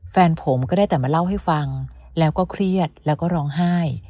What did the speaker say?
แฟนผมก็ได้แต่มาเล่าให้ฟังแล้วก็เครียดแล้วก็ร้องไห้